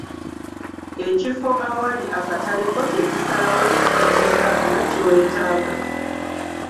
Ekifo awali akatale ko kye kisalawo ekika ky’entambula kye weetaaga.